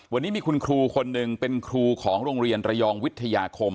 วันนี้มีคุณครูคนหนึ่งเป็นครูของโรงเรียนระยองวิทยาคม